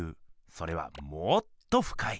それはもっとふかい。